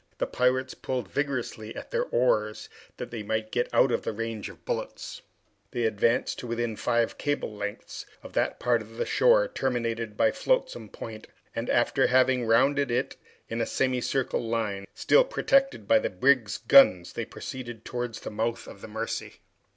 The pirates pulled vigorously at their oars that they might get out of range of the bullets. They advanced to within five cables lengths of that part of the shore terminated by Flotsam Point, and after having rounded it in a semicircular line, still protected by the brig's guns, they proceeded towards the mouth of the Mercy.